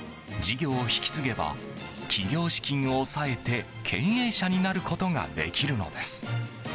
事業を引き継げば起業資金を抑えて経営者になることができるのです。